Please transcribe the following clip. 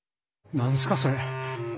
何ですかそれ！？